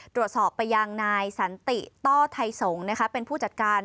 ตรวจสอบไปยังนายสันติต้อไทยสงฆ์เป็นผู้จัดการ